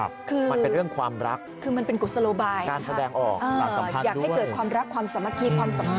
ผู้ว่าปู่โอ้โฮหละล่ะเลย